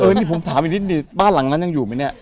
นี่ผมถามอีกนิดนึงบ้านหลังนั้นยังอยู่ไหมเนี่ย